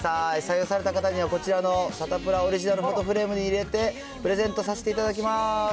採用された方には、こちらのサタプラオリジナルフォトフレームに入れて、プレゼントさせていただきます。